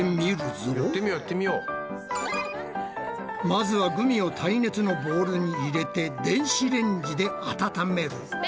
まずはグミを耐熱のボウルに入れて電子レンジで温める。